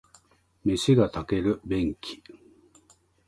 飯が炊ける便器